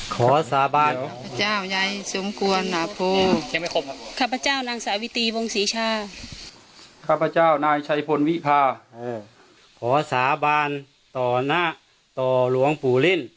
ขอสาบานต่อหน้าต่อหลวงปุรินและสิ่งศักดิ์สิทธิ์ทั้งหลายที่อยู่ในหลวงปุริน